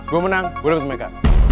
gue menang gue dapet mereka